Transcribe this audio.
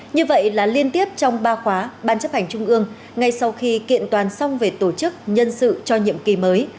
như vậy là liên tiếp trong ba khóa ban chấp hành trung ương ngay sau khi kiện toàn xong về tổ chức nhân sự cho nhiệm kỳ mới